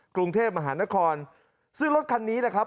กรุงเทพมหานครซึ่งรถคันนี้นะครับ